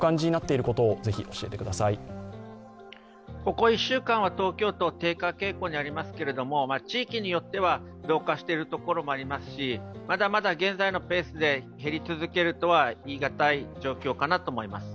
ここ１週間は東京都低下傾向にありますけれども地域によっては増加しているところもありますし、まだまだ現在のペースで減り続けるとは言いがたい状況かなと思います。